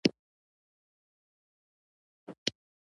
د یوه او بل خاطر کول د کلتور یوه برخه ده.